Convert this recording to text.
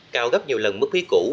cao gấp nhiều lần mức phí cũ